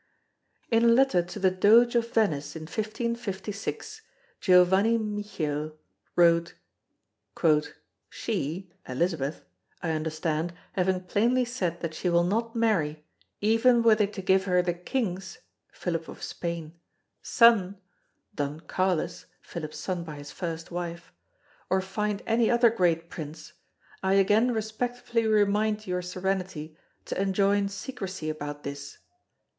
In a letter to the Doge of Venice in 1556 Giovanni Michiel wrote: "She" [Elizabeth] "I understand, having plainly said that she will not marry, even were they to give her the King's" [Philip of Spain] "son" [Don Carlos, Philip's son by his first wife] "or find any other great prince, I again respectfully remind your serenity to enjoin secrecy about this."